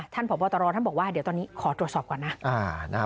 ท่านผบัตรเราบอกว่าเดี๋ยวตอนนี้ขอตรวจสอบนะ